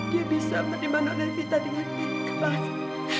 dia bisa menerima non evita dengan kebahasa